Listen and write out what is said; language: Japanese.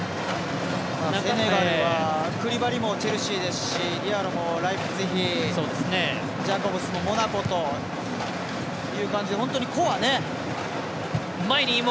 クリバリもチェルシーですしライプツィヒジャコブスもモナコという感じで本当に個をね。